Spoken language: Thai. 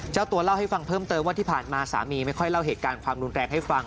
เจ้าตัวเล่าให้ฟังเพิ่มเติมว่าที่ผ่านมาสามีไม่ค่อยเล่าเหตุการณ์ความรุนแรงให้ฟัง